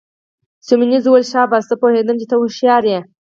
سیمونز وویل: شاباس، زه پوهیدم چي ته هوښیار يې.